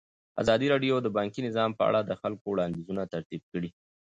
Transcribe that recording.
ازادي راډیو د بانکي نظام په اړه د خلکو وړاندیزونه ترتیب کړي.